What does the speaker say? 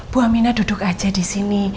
bu amina duduk aja disini